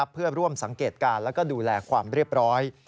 เพื่อร่วมสังเกตการณ์และดูแลความเรียบร้อย